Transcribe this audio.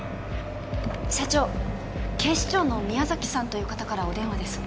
社長警視庁の宮崎さんという方からお電話です